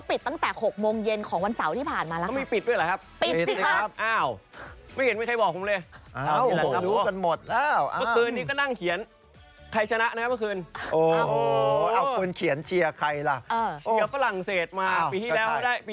ปีหน้าเป็นอีก๒ปีครับ